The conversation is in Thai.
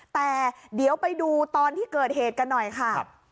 แต่เดี๋ยวไปดูตอนที่เกิดเหตุกันหน่อยค่ะ